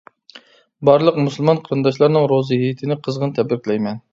بارلىق مۇسۇلمان قېرىنداشلارنىڭ روزا ھېيتىنى قىزغىن تەبرىكلەيمەن!